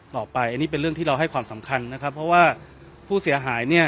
ต่อไปอันนี้เป็นเรื่องที่เราให้ความสำคัญนะครับเพราะว่าผู้เสียหายเนี่ย